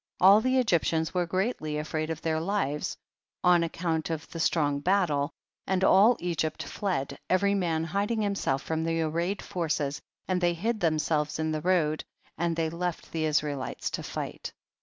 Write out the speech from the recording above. All the Egyptians were greatly afraid of their lives on account of the strong battle, and all Egypt fled, every man hiding himself from the arrayed forces, and they hid them selves in the road, and they left the Israelites to fight.